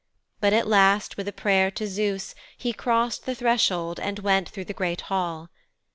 But at last with a prayer to Zeus he crossed the threshold and went through the great hall.